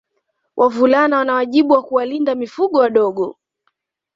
Wavulana wana wajibu wa kuwalinda mifugo wadogo